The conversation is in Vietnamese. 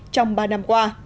trong ba năm qua